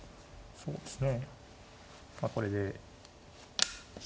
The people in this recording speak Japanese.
そうですね。